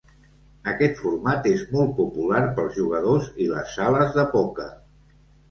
Aquest format és molt popular pels jugadors i les sales de pòquer.